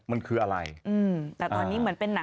มันคืออะไรอืมแต่ตอนนี้เหมือนเป็นหนัง